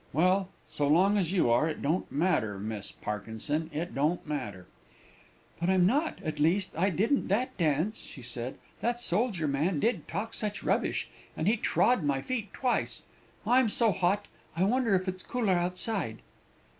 "Well, so long as you are, it don't matter, Miss Parkinson it don't matter." "But I'm not at least, I didn't that dance," she said. "That soldier man did talk such rubbish, and he trod on my feet twice. I'm so hot! I wonder if it's cooler outside?"